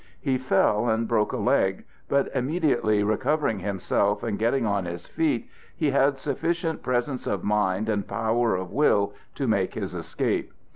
He fell and broke a leg, but immediately recovering himself and getting on his feet he had sufficient presence of mind and power of will to make his escape.